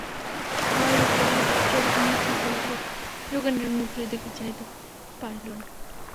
ঘরে ঢুকিয়া সে চোখ নিচু করিল, যোগেন্দ্রের মুখের দিকে চাহিতে পারিল না।